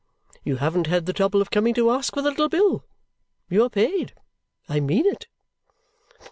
You haven't had the trouble of coming to ask for the little bill. You are paid. I mean it.'"